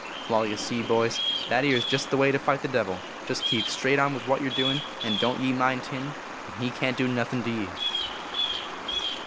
" Wai, ye see, boys, that ere s jest the way to fight the Devil. Jest keep straight on with what ye re doin , and don t ye mind him, and he can t do nothin to ye."